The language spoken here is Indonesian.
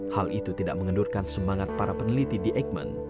hal itu tidak mengendurkan semangat para peneliti di eijkman